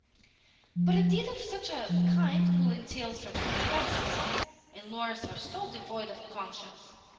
"But a deed of such a kind will entail certain expenses, and lawyers are so devoid of conscience!